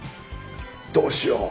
「どうしよう？